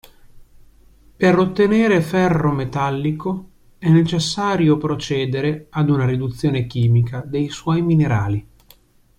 Per ottenere ferro metallico è necessario procedere ad una riduzione chimica dei suoi minerali.